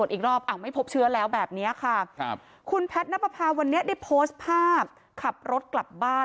อีกรอบอ้าวไม่พบเชื้อแล้วแบบนี้ค่ะครับคุณแพทย์นับประพาวันนี้ได้โพสต์ภาพขับรถกลับบ้าน